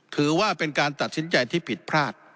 ถือว่าเป็นการตัดสินใจที่ผิดพลาด